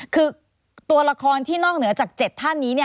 คือตัวละครที่นอกเหนือจาก๗ท่านนี้